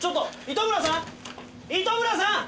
糸村さん！